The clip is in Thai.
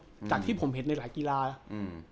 จากที่ผมเห็นในหลายกีฬาอืม